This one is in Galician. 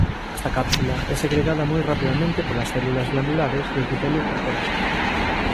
Esta cápsula é segregada moi rapidamente polas células glandulares do epitelio corporal.